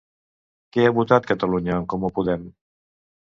Què ha votat Catalunya en Comú-Podem?